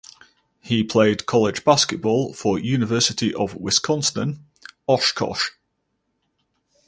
He played college basketball for University of Wisconsin–Oshkosh.